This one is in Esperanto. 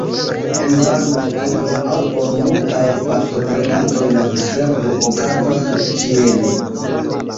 En varmaj landoj aŭ por multaj partoprenantoj la diservo okazas subĉiele.